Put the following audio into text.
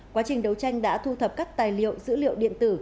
quá trình đấu tranh đã thu thập các tài liệu dữ liệu điện tử